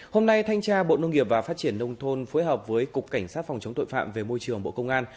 hôm nay thanh tra bộ nông nghiệp và phát triển nông thôn phối hợp với cục cảnh sát phòng chống tội phạm về môi trường bộ công an